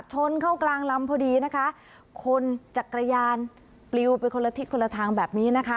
ชนเข้ากลางลำพอดีนะคะคนจักรยานปลิวไปคนละทิศคนละทางแบบนี้นะคะ